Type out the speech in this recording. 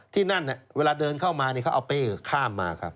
ที่นั่นเวลาเดินเข้ามาเขาเอาเป้ข้ามมาครับ